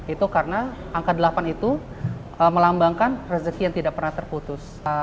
itu karena angka delapan itu melambangkan rezeki yang tidak pernah terputus